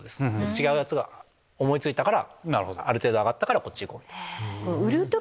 違うやつが思い付いたからある程度上がったからこっち。